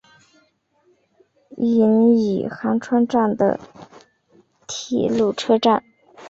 伊予寒川站的铁路车站。